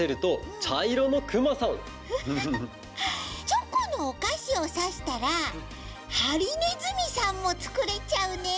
チョコのおかしをさしたらハリネズミさんもつくれちゃうね！